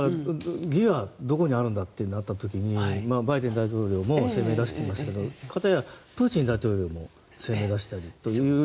義はどこにあるんだとなった時にバイデン大統領も声明を出していますが方や、プーチン大統領も声明を出したりという。